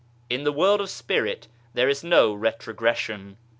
In the World of Spirit there is no retrogression.